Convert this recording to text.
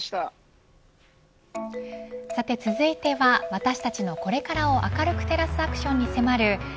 さて続いては私たちのこれからを明るく照らすアクションに迫る＃